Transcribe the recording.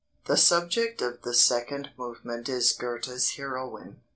"The subject of the second movement is Goethe's heroine.